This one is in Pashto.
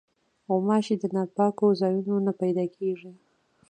غوماشې د ناپاکو ځایونو نه پیدا کېږي.